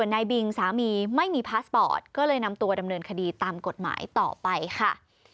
นายบิงสามีไม่มีพาสปอร์ตก็เลยนำตัวดำเนินคดีตามกฎหมายต่อไปค่ะ